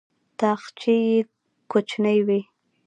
تاخچې یې کوچنۍ وې.